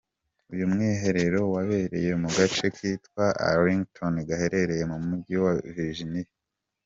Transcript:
Uyu mwiherero wabereye mu gace kitwa Arlington gaherereye mu mujyi wa Virginia.